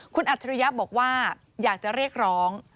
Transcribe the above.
คุณอัจฉริยะบอกว่าอยากจะเรียกร้อง